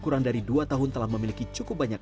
kurang dari dua tahun telah memiliki cukup banyak